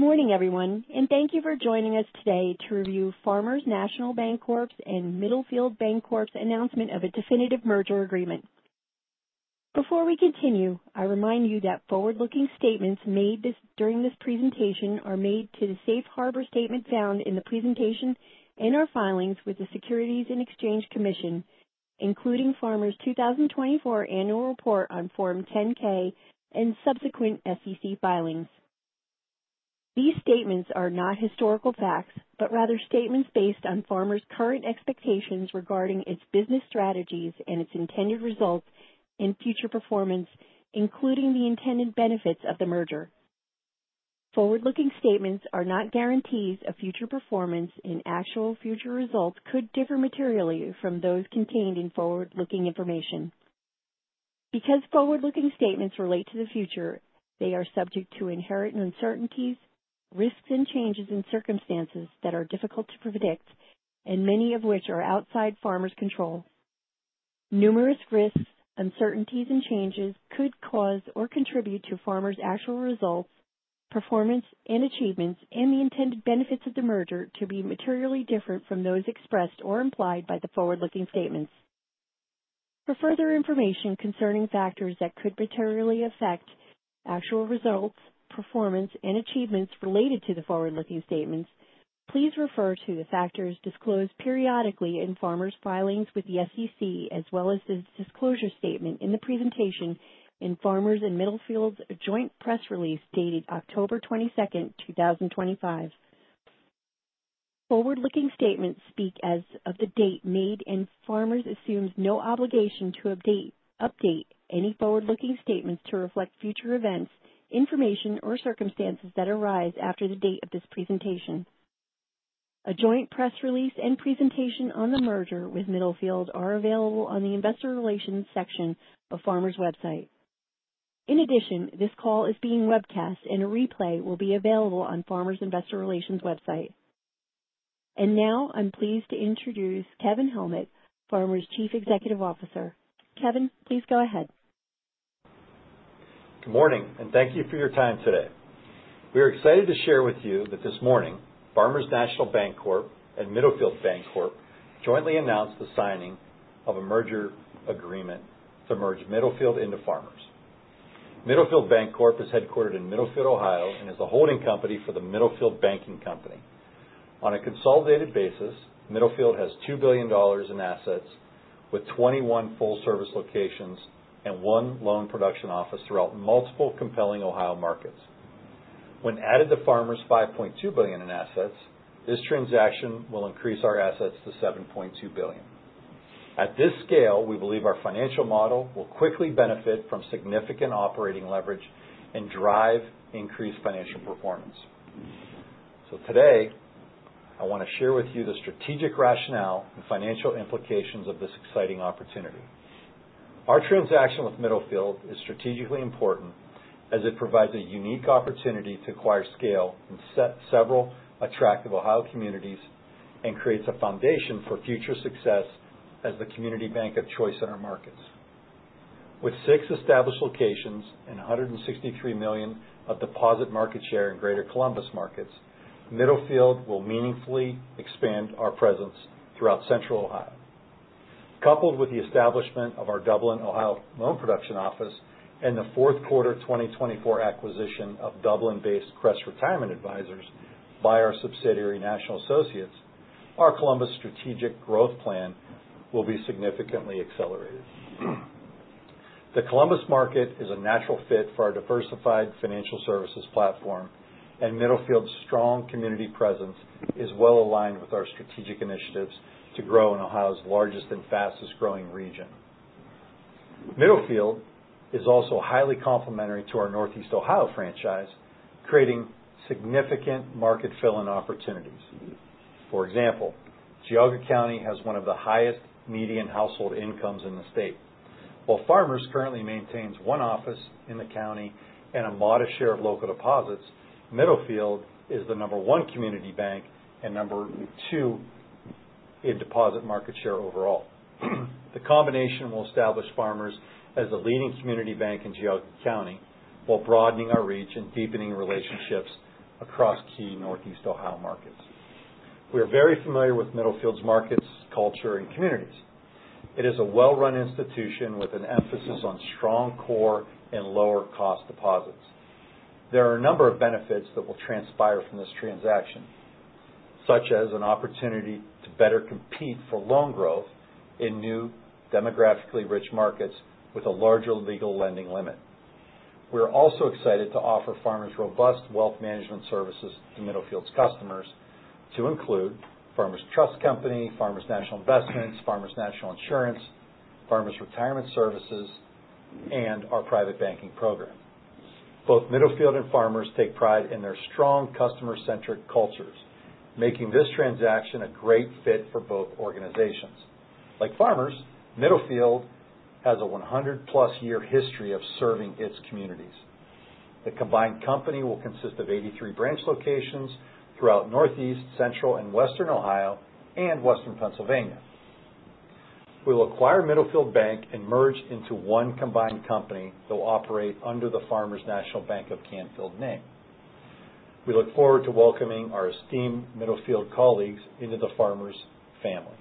Good morning, everyone, and thank you for joining us today to review Farmers National Banc Corp's and Middlefield Banc Corp's announcement of a definitive merger agreement. Before we continue, I remind you that forward-looking statements made during this presentation are made to the safe harbor statement found in the presentation and our filings with the Securities and Exchange Commission, including Farmers' 2024 annual report on Form 10-K and subsequent SEC filings. These statements are not historical facts, but rather statements based on Farmers' current expectations regarding its business strategies and its intended results and future performance, including the intended benefits of the merger. Forward-looking statements are not guarantees of future performance, and actual future results could differ materially from those contained in forward-looking information. Because forward-looking statements relate to the future, they are subject to inherent uncertainties, risks, and changes in circumstances that are difficult to predict, and many of which are outside Farmers' control. Numerous risks, uncertainties, and changes could cause or contribute to Farmers' actual results, performance, and achievements, and the intended benefits of the merger to be materially different from those expressed or implied by the forward-looking statements. For further information concerning factors that could materially affect actual results, performance, and achievements related to the forward-looking statements, please refer to the factors disclosed periodically in Farmers' filings with the SEC, as well as the disclosure statement in the presentation in Farmers' and Middlefield's joint press release dated October 22, 2025. Forward-looking statements speak as of the date made and Farmers assumes no obligation to update any forward-looking statements to reflect future events, information, or circumstances that arise after the date of this presentation. A joint press release and presentation on the merger with Middlefield are available on the Investor Relations section of Farmers' website. In addition, this call is being webcast, and a replay will be available on Farmers' Investor Relations website. And now, I'm pleased to introduce Kevin Helmick, Farmers' Chief Executive Officer. Kevin, please go ahead. Good morning, and thank you for your time today. We are excited to share with you that this morning, Farmers National Banc Corp and Middlefield Banc Corp jointly announced the signing of a merger agreement to merge Middlefield into Farmers. Middlefield Banc Corp is headquartered in Middlefield, Ohio, and is the holding company for the Middlefield Banking Company. On a consolidated basis, Middlefield has $2 billion in assets with 21 full-service locations and one loan production office throughout multiple compelling Ohio markets. When added to Farmers' $5.2 billion in assets, this transaction will increase our assets to $7.2 billion. At this scale, we believe our financial model will quickly benefit from significant operating leverage and drive increased financial performance. So today, I want to share with you the strategic rationale and financial implications of this exciting opportunity. Our transaction with Middlefield is strategically important as it provides a unique opportunity to acquire scale in several attractive Ohio communities and creates a foundation for future success as the community bank of choice in our markets. With six established locations and $163 million of deposit market share in greater Columbus markets, Middlefield will meaningfully expand our presence throughout Central Ohio. Coupled with the establishment of our Dublin, Ohio, loan production office and the fourth quarter 2024 acquisition of Dublin-based Crest Retirement Advisors by our subsidiary National Associates, our Columbus strategic growth plan will be significantly accelerated. The Columbus market is a natural fit for our diversified financial services platform, and Middlefield's strong community presence is well aligned with our strategic initiatives to grow in Ohio's largest and fastest-growing region. Middlefield is also highly complementary to our Northeast Ohio franchise, creating significant market fill-in opportunities. For example, Geauga County has one of the highest median household incomes in the state. While Farmers currently maintains one office in the county and a modest share of local deposits, Middlefield is the number one community bank and number two in deposit market share overall. The combination will establish Farmers as the leading community bank in Geauga County while broadening our reach and deepening relationships across key Northeast Ohio markets. We are very familiar with Middlefield's markets, culture, and communities. It is a well-run institution with an emphasis on strong core and lower-cost deposits. There are a number of benefits that will transpire from this transaction, such as an opportunity to better compete for loan growth in new demographically rich markets with a larger legal lending limit. We are also excited to offer Farmers' robust wealth management services to Middlefield's customers, to include Farmers Trust Company, Farmers National Investments, Farmers National Insurance, Farmers Retirement Services, and our private banking program. Both Middlefield and Farmers take pride in their strong customer-centric cultures, making this transaction a great fit for both organizations. Like Farmers, Middlefield has a 100-plus year history of serving its communities. The combined company will consist of 83 branch locations throughout Northeast, Central, and Western Ohio, and Western Pennsylvania. We'll acquire Middlefield Banc and merge into one combined company that will operate under the Farmers National Banc Corp name. We look forward to welcoming our esteemed Middlefield colleagues into the Farmers family.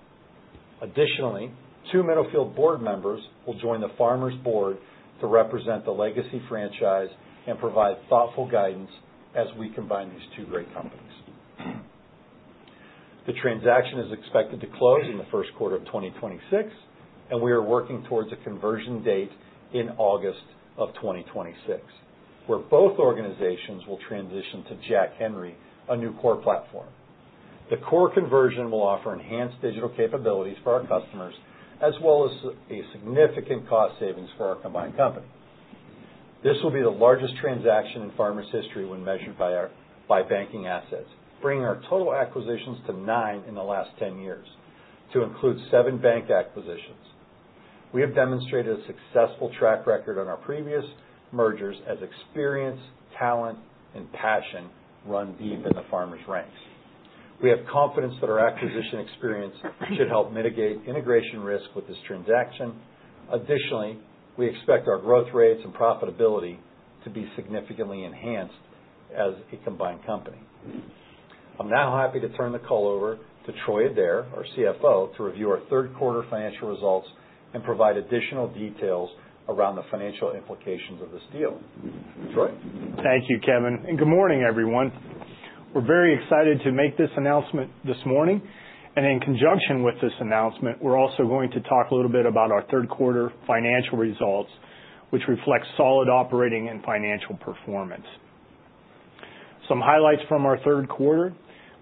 Additionally, two Middlefield board members will join the Farmers board to represent the legacy franchise and provide thoughtful guidance as we combine these two great companies. The transaction is expected to close in the first quarter of 2026, and we are working towards a conversion date in August of 2026, where both organizations will transition to Jack Henry, a new core platform. The core conversion will offer enhanced digital capabilities for our customers, as well as a significant cost savings for our combined company. This will be the largest transaction in Farmers' history when measured by banking assets, bringing our total acquisitions to nine in the last 10 years, to include seven bank acquisitions. We have demonstrated a successful track record on our previous mergers as experience, talent, and passion run deep in the Farmers ranks. We have confidence that our acquisition experience should help mitigate integration risk with this transaction. Additionally, we expect our growth rates and profitability to be significantly enhanced as a combined company. I'm now happy to turn the call over to Troy Adair, our CFO, to review our third quarter financial results and provide additional details around the financial implications of this deal. Troy? Thank you, Kevin, and good morning, everyone. We're very excited to make this announcement this morning, and in conjunction with this announcement, we're also going to talk a little bit about our third quarter financial results, which reflect solid operating and financial performance. Some highlights from our third quarter: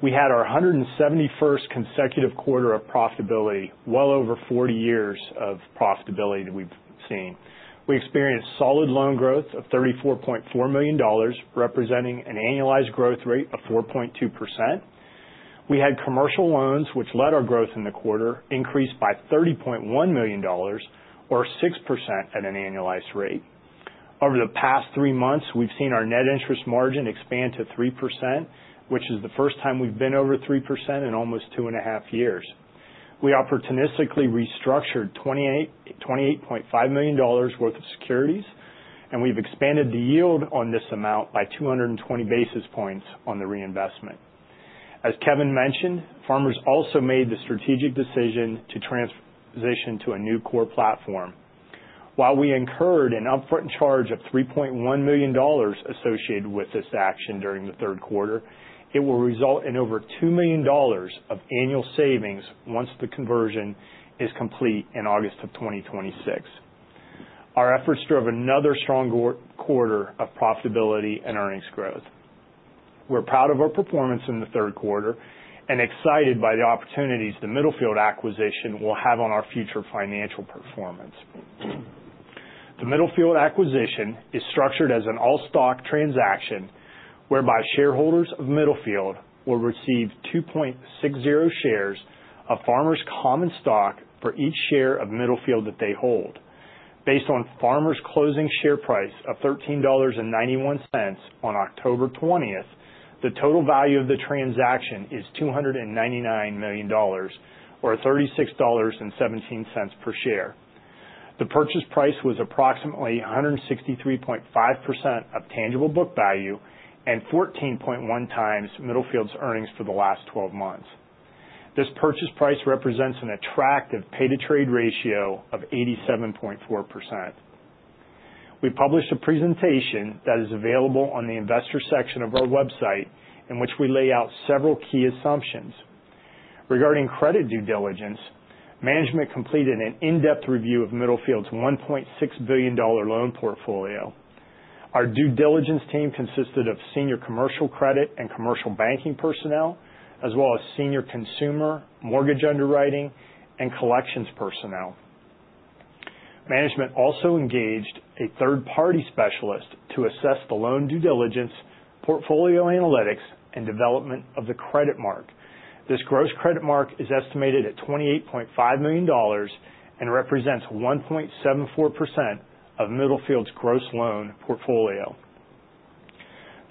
we had our 171st consecutive quarter of profitability, well over 40 years of profitability that we've seen. We experienced solid loan growth of $34.4 million, representing an annualized growth rate of 4.2%. We had commercial loans, which led our growth in the quarter, increased by $30.1 million, or 6% at an annualized rate. Over the past three months, we've seen our net interest margin expand to 3%, which is the first time we've been over 3% in almost two and a half years. We opportunistically restructured $28.5 million worth of securities, and we've expanded the yield on this amount by 220 basis points on the reinvestment. As Kevin mentioned, Farmers also made the strategic decision to transition to a new core platform. While we incurred an upfront charge of $3.1 million associated with this action during the third quarter, it will result in over $2 million of annual savings once the conversion is complete in August of 2026. Our efforts drove another strong quarter of profitability and earnings growth. We're proud of our performance in the third quarter and excited by the opportunities the Middlefield acquisition will have on our future financial performance. The Middlefield acquisition is structured as an all-stock transaction whereby shareholders of Middlefield will receive 2.60 shares of Farmers' common stock for each share of Middlefield that they hold. Based on Farmers' closing share price of $13.91 on October 20, the total value of the transaction is $299 million, or $36.17 per share. The purchase price was approximately 163.5% of tangible book value and 14.1x Middlefield's earnings for the last 12 months. This purchase price represents an attractive pay-to-trade ratio of 87.4%. We published a presentation that is available on the investor section of our website in which we lay out several key assumptions. Regarding credit due diligence, management completed an in-depth review of Middlefield's $1.6 billion loan portfolio. Our due diligence team consisted of Senior Commercial Credit and Commercial Banking personnel, as well as Senior Consumer Mortgage Underwriting and Collections personnel. Management also engaged a third-party specialist to assess the loan due diligence, portfolio analytics, and development of the credit mark. This gross credit mark is estimated at $28.5 million and represents 1.74% of Middlefield's gross loan portfolio.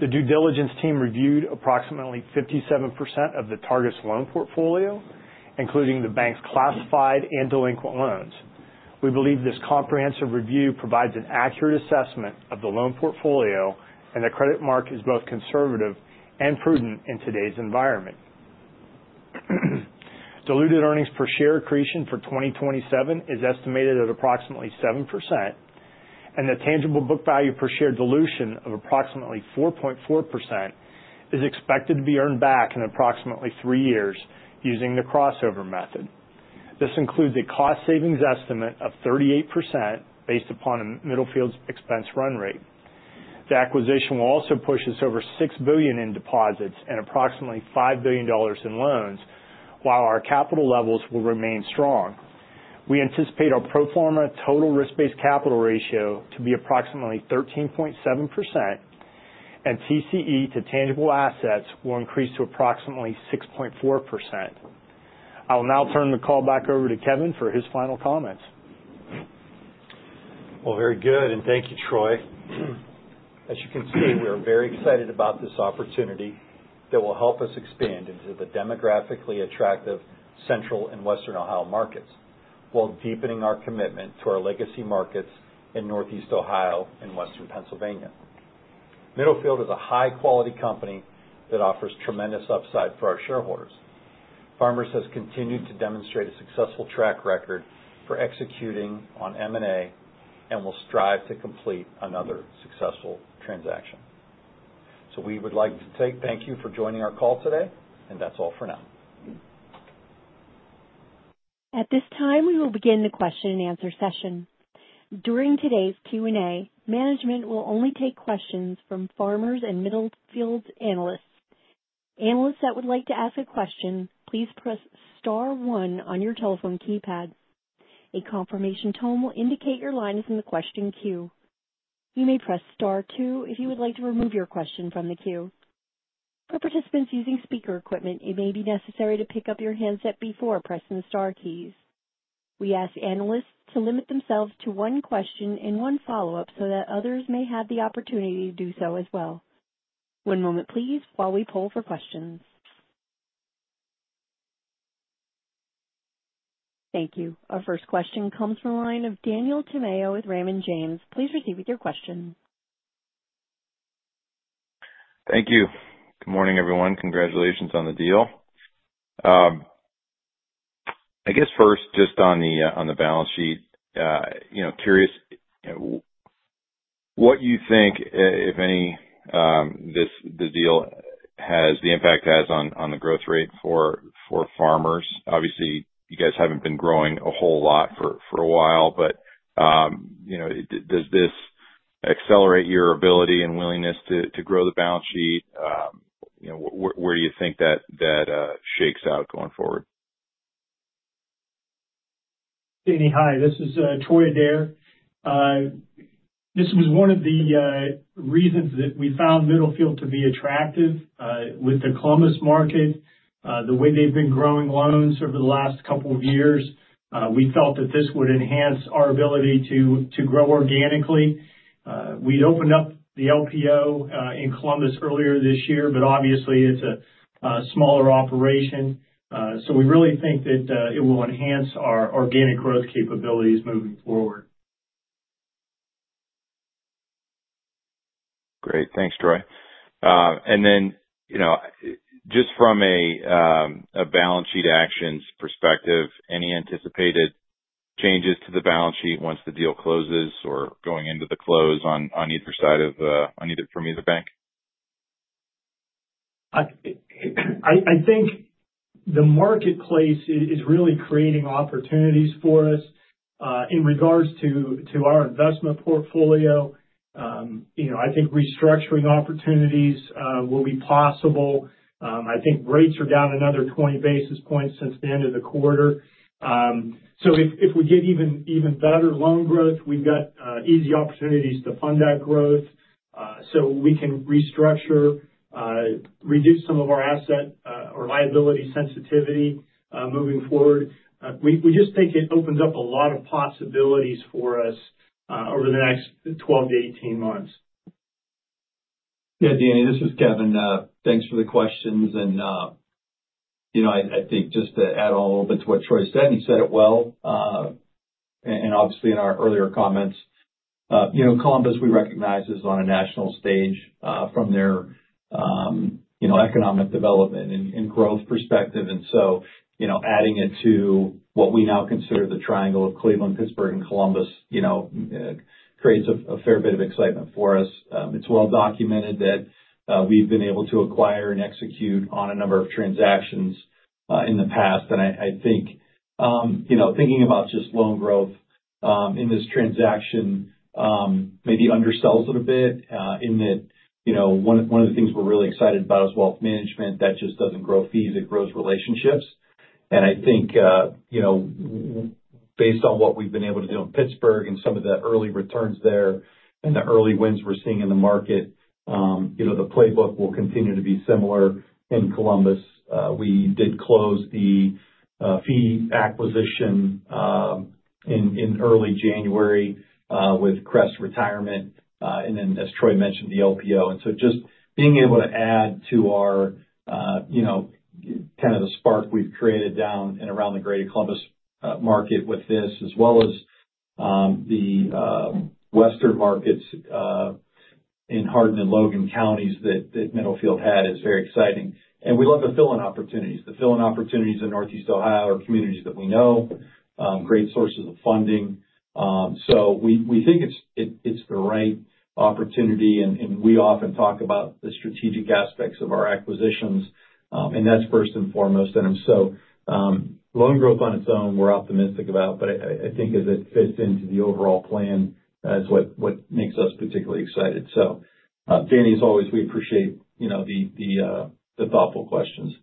The due diligence team reviewed approximately 57% of the target's loan portfolio, including the bank's classified and delinquent loans. We believe this comprehensive review provides an accurate assessment of the loan portfolio, and the credit mark is both conservative and prudent in today's environment. Diluted earnings per share accretion for 2027 is estimated at approximately 7%, and the tangible book value per share dilution of approximately 4.4% is expected to be earned back in approximately three years using the crossover method. This includes a cost savings estimate of 38% based upon Middlefield's expense run rate. The acquisition will also push us over $6 billion in deposits and approximately $5 billion in loans, while our capital levels will remain strong. We anticipate our pro forma total risk-based capital ratio to be approximately 13.7%, and TCE to tangible assets will increase to approximately 6.4%. I will now turn the call back over to Kevin for his final comments. Well, very good, and thank you, Troy. As you can see, we are very excited about this opportunity that will help us expand into the demographically attractive Central and Western Ohio markets while deepening our commitment to our legacy markets in Northeast Ohio and Western Pennsylvania. Middlefield is a high-quality company that offers tremendous upside for our shareholders. Farmers has continued to demonstrate a successful track record for executing on M&A and will strive to complete another successful transaction. So we would like to thank you for joining our call today, and that's all for now. At this time, we will begin the question-and-answer session. During today's Q&A, management will only take questions from Farmers and Middlefield analysts. Analysts that would like to ask a question, please press star one on your telephone keypad. A confirmation tone will indicate your line is in the question queue. You may press star two if you would like to remove your question from the queue. For participants using speaker equipment, it may be necessary to pick up your handset before pressing the star keys. We ask analysts to limit themselves to one question and one follow-up so that others may have the opportunity to do so as well. One moment, please, while we pull for questions. Thank you. Our first question comes from a line of Daniel Tamayo with Raymond James. Please proceed with your question. Thank you. Good morning, everyone. Congratulations on the deal. I guess first, just on the balance sheet, curious what you think, if any, the deal has the impact on the growth rate for Farmers. Obviously, you guys haven't been growing a whole lot for a while, but does this accelerate your ability and willingness to grow the balance sheet? Where do you think that shakes out going forward? Danny, hi. This is Troy Adair. This was one of the reasons that we found Middlefield to be attractive with the Columbus market, the way they've been growing loans over the last couple of years. We felt that this would enhance our ability to grow organically. We'd opened up the LPO in Columbus earlier this year, but obviously, it's a smaller operation. So we really think that it will enhance our organic growth capabilities moving forward. Great. Thanks, Troy, and then just from a balance sheet actions perspective, any anticipated changes to the balance sheet once the deal closes or going into the close on either side from either bank? I think the marketplace is really creating opportunities for us in regards to our investment portfolio. I think restructuring opportunities will be possible. I think rates are down another 20 basis points since the end of the quarter. So if we get even better loan growth, we've got easy opportunities to fund that growth so we can restructure, reduce some of our asset or liability sensitivity moving forward. We just think it opens up a lot of possibilities for us over the next 12-18 months. Yeah, Danny, this is Kevin. Thanks for the questions. And I think just to add on a little bit to what Troy said, and he said it well, and obviously in our earlier comments, Columbus, we recognize, is on a national stage from their economic development and growth perspective. And so adding it to what we now consider the triangle of Cleveland, Pittsburgh, and Columbus creates a fair bit of excitement for us. It's well documented that we've been able to acquire and execute on a number of transactions in the past. And I think thinking about just loan growth in this transaction maybe undersells it a bit in that one of the things we're really excited about is wealth management that just doesn't grow fees, it grows relationships. And I think based on what we've been able to do in Pittsburgh and some of the early returns there and the early wins we're seeing in the market, the playbook will continue to be similar in Columbus. We did close the fee acquisition in early January with Crest Retirement, and then, as Troy mentioned, the LPO. And so just being able to add to our kind of the spark we've created down and around the greater Columbus market with this, as well as the western markets in Hardin and Logan counties that Middlefield had is very exciting. And we love the fill-in opportunities. The fill-in opportunities in Northeast Ohio are communities that we know, great sources of funding. So we think it's the right opportunity, and we often talk about the strategic aspects of our acquisitions, and that's first and foremost. And so, loan growth on its own, we're optimistic about, but I think as it fits into the overall plan is what makes us particularly excited. So Danny, as always, we appreciate the thoughtful questions.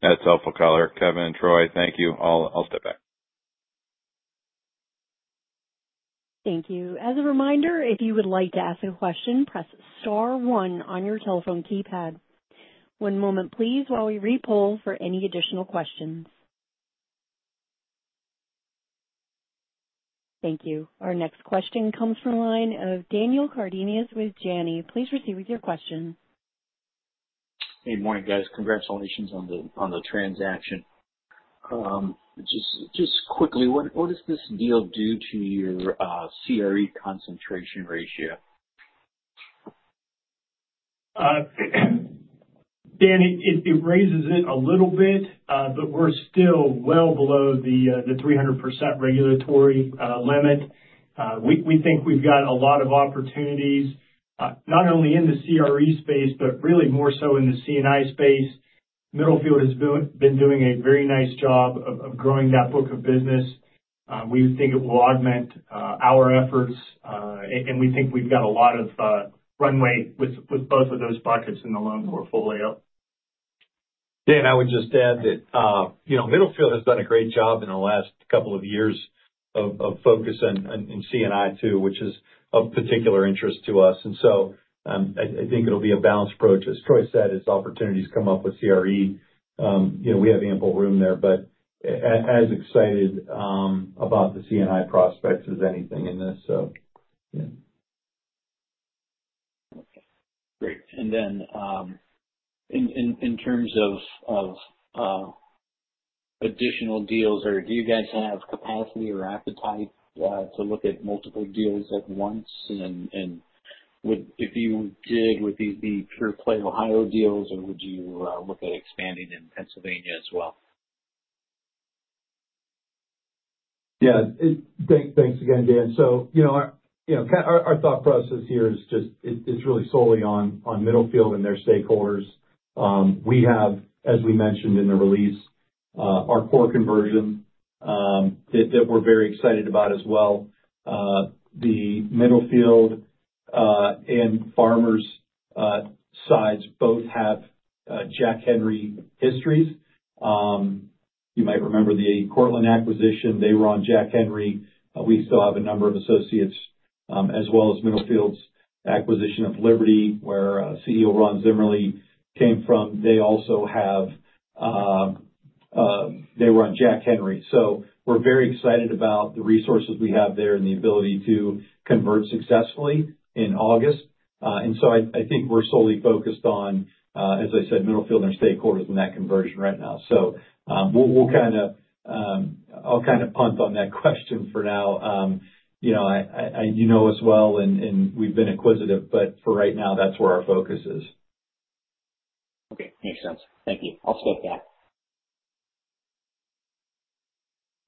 That's helpful, Caller. Kevin, Troy, thank you. I'll step back. Thank you. As a reminder, if you would like to ask a question, press star one on your telephone keypad. One moment, please, while we repoll for any additional questions. Thank you. Our next question comes from a line of Daniel Cardenas with Janney. Please proceed with your question. Hey, morning, guys. Congratulations on the transaction. Just quickly, what does this deal do to your CRE concentration ratio? Danny, it raises it a little bit, but we're still well below the 300% regulatory limit. We think we've got a lot of opportunities, not only in the CRE space, but really more so in the C&I space. Middlefield has been doing a very nice job of growing that book of business. We think it will augment our efforts, and we think we've got a lot of runway with both of those buckets in the loan portfolio. Danny, I would just add that Middlefield has done a great job in the last couple of years of focus and C&I too, which is of particular interest to us. And so I think it'll be a balanced approach. As Troy said, as opportunities come up with CRE, we have ample room there, but as excited about the C&I prospects as anything in this, so. Okay. Great. And then in terms of additional deals, do you guys have capacity or appetite to look at multiple deals at once? And if you did, would these be pure play Ohio deals, or would you look at expanding in Pennsylvania as well? Yeah. Thanks again, Dan. So our thought process here is just it's really solely on Middlefield and their stakeholders. We have, as we mentioned in the release, our core conversion that we're very excited about as well. The Middlefield and Farmers sides both have Jack Henry histories. You might remember the Cortland acquisition. They were on Jack Henry. We still have a number of associates, as well as Middlefield's acquisition of Liberty, where CEO Ron Zimmerly came from. They also were on Jack Henry. So we're very excited about the resources we have there and the ability to convert successfully in August. And so I think we're solely focused on, as I said, Middlefield and their stakeholders in that conversion right now. So we'll kind of punt on that question for now. You know as well, and we've been inquisitive, but for right now, that's where our focus is. Okay. Makes sense. Thank you. I'll step back.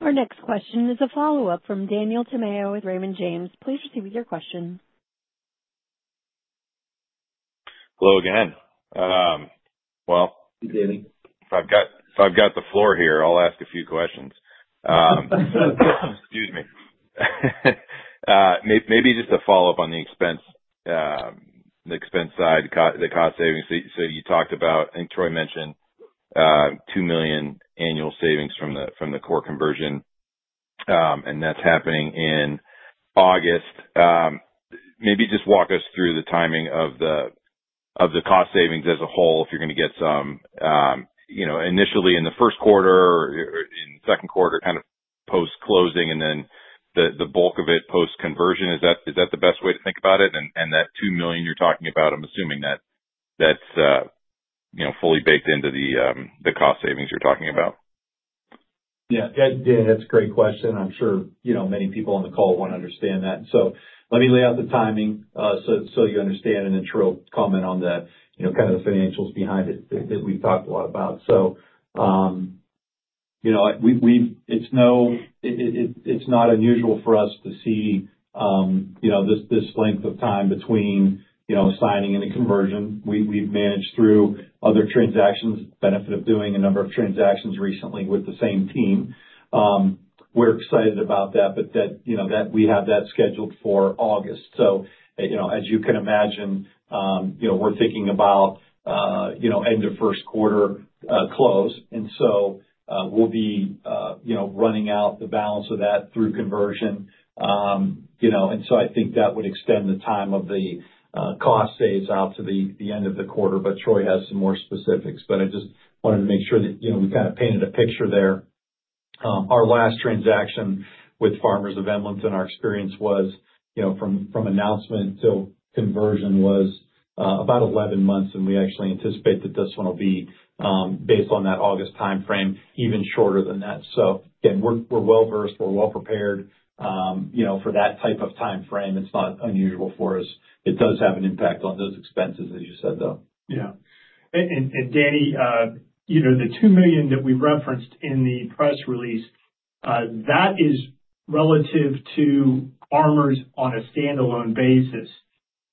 Our next question is a follow-up from Daniel Tamayo with Raymond James. Please proceed with your question. Hello again. Well. Hey, Danny. If I've got the floor here, I'll ask a few questions. Excuse me. Maybe just a follow-up on the expense side, the cost savings. So you talked about, I think Troy mentioned, $2 million annual savings from the core conversion, and that's happening in August. Maybe just walk us through the timing of the cost savings as a whole if you're going to get some initially in the first quarter or in the second quarter, kind of post-closing, and then the bulk of it post-conversion. Is that the best way to think about it? And that $2 million you're talking about, I'm assuming that's fully baked into the cost savings you're talking about. Yeah. Danny, that's a great question. I'm sure many people on the call want to understand that. So let me lay out the timing so you understand, and then Troy will comment on kind of the financials behind it that we've talked a lot about. So it's not unusual for us to see this length of time between signing and the conversion. We've managed through other transactions, benefit of doing a number of transactions recently with the same team. We're excited about that, but that we have that scheduled for August. So as you can imagine, we're thinking about end of first quarter close. And so we'll be running out the balance of that through conversion. And so I think that would extend the time of the cost saves out to the end of the quarter, but Troy has some more specifics. But I just wanted to make sure that we kind of painted a picture there. Our last transaction with Farmers of Emlenton, in our experience, was from announcement till conversion was about 11 months, and we actually anticipate that this one will be, based on that August timeframe, even shorter than that. So again, we're well-versed, we're well-prepared for that type of timeframe. It's not unusual for us. It does have an impact on those expenses, as you said, though. Yeah. And Danny, the $2 million that we referenced in the press release, that is relative to Farmers on a standalone basis.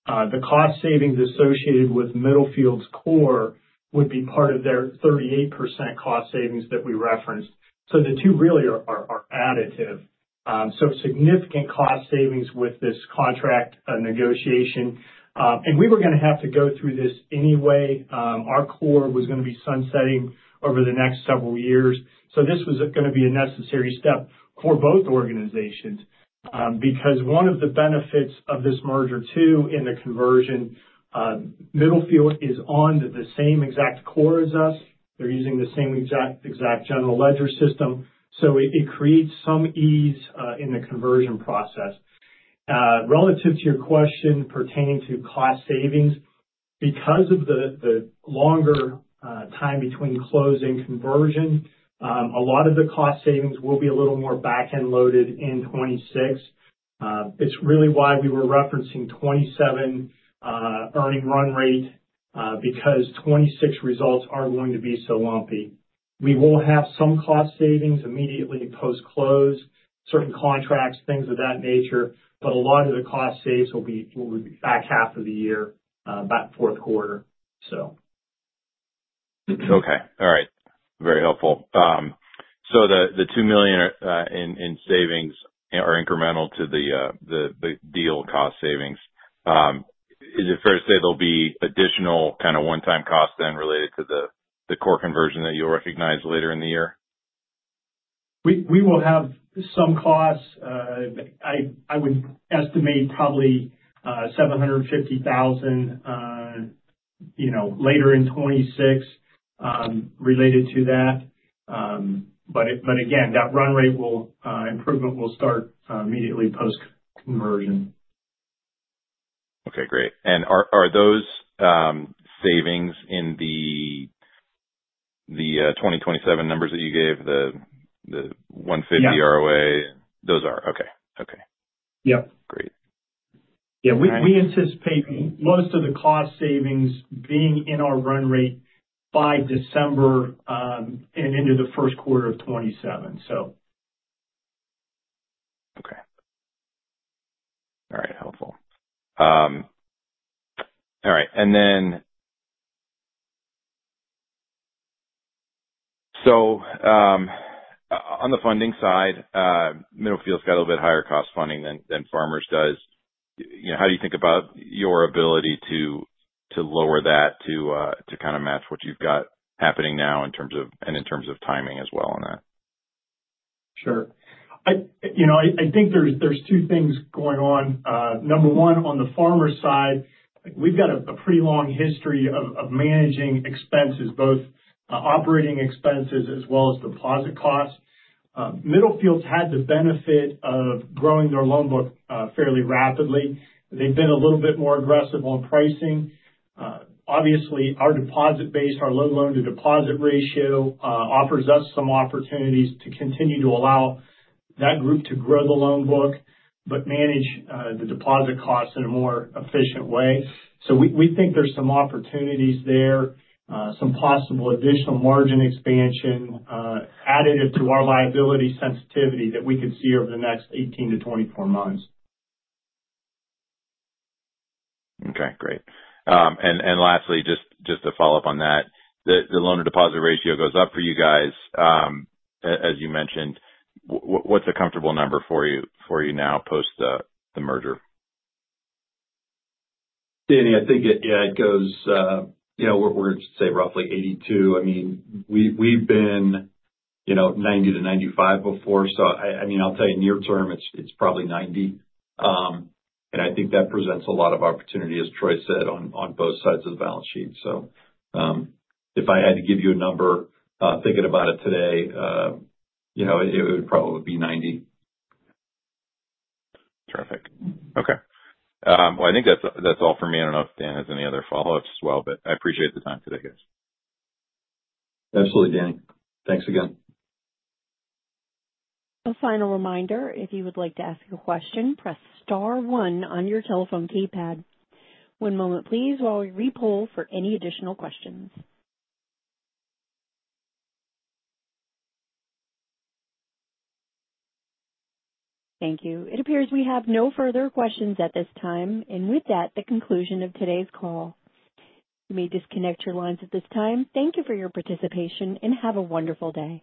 The cost savings associated with Middlefield's core would be part of their 38% cost savings that we referenced. So the two really are additive. So significant cost savings with this contract negotiation. And we were going to have to go through this anyway. Our core was going to be sunsetting over the next several years. So this was going to be a necessary step for both organizations because one of the benefits of this merger too in the conversion, Middlefield is on the same exact core as us. They're using the same exact general ledger system. So it creates some ease in the conversion process. Relative to your question pertaining to cost savings, because of the longer time between close and conversion, a lot of the cost savings will be a little more back-end loaded in 2026. It's really why we were referencing 2027 earning run rate because 2026 results are going to be so lumpy. We will have some cost savings immediately post-close, certain contracts, things of that nature, but a lot of the cost saves will be back half of the year, back fourth quarter, so. Okay. All right. Very helpful. So the $2 million in savings are incremental to the deal cost savings. Is it fair to say there'll be additional kind of one-time costs then related to the core conversion that you'll recognize later in the year? We will have some costs. I would estimate probably $750,000 later in 2026 related to that, but again, that run rate improvement will start immediately post-conversion. Okay. Great. And are those savings in the 2027 numbers that you gave, the 150 ROA? Yeah. Those are? Okay. Okay. Yep. Great. Yeah. We anticipate most of the cost savings being in our run rate by December and into the first quarter of 2027, so. Okay. All right. Helpful. All right. And then, so on the funding side, Middlefield's got a little bit higher cost funding than Farmers does. How do you think about your ability to lower that to kind of match what you've got happening now in terms of and in terms of timing as well on that? Sure. I think there's two things going on. Number one, on the Farmers side, we've got a pretty long history of managing expenses, both operating expenses as well as deposit costs. Middlefield's had the benefit of growing their loan book fairly rapidly. They've been a little bit more aggressive on pricing. Obviously, our deposit base, our low loan-to-deposit ratio offers us some opportunities to continue to allow that group to grow the loan book but manage the deposit costs in a more efficient way. So we think there's some opportunities there, some possible additional margin expansion additive to our liability sensitivity that we could see over the next 18-24 months. Okay. Great. And lastly, just to follow up on that, the loan-to-deposit ratio goes up for you guys, as you mentioned. What's a comfortable number for you now post the merger? Danny, I think, yeah, it goes we're at, say, roughly 82. I mean, we've been 90-95 before. So I mean, I'll tell you, near term, it's probably 90. And I think that presents a lot of opportunity, as Troy said, on both sides of the balance sheet. So if I had to give you a number, thinking about it today, it would probably be 90. Terrific. Okay. Well, I think that's all for me. I don't know if Dan has any other follow-ups as well, but I appreciate the time today, guys. Absolutely, Danny. Thanks again. A final reminder, if you would like to ask a question, press star one on your telephone keypad. One moment, please, while we repoll for any additional questions. Thank you. It appears we have no further questions at this time, and with that, the conclusion of today's call. You may disconnect your lines at this time. Thank you for your participation, and have a wonderful day.